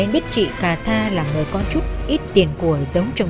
dạ ông cùng sớm